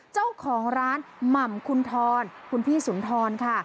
เจ้าของร้านหม่ำคุณทรคุณพี่สุนทรค่ะ